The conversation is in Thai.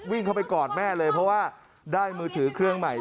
วิ่งเข้าไปกอดแม่เลยเพราะว่าได้มือถือเครื่องใหม่